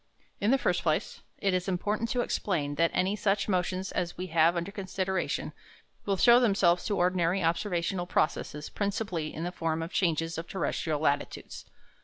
In the first place, it is important to explain that any such motions as we have under consideration will show themselves to ordinary observational processes principally in the form of changes of terrestrial latitudes.